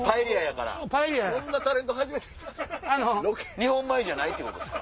日本米じゃないってことですか？